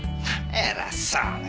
偉そうに。